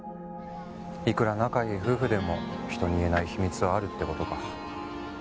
いくら仲いい夫婦でも人に言えない秘密はあるって事か。